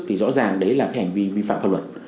thì rõ ràng đấy là cái hành vi vi phạm pháp luật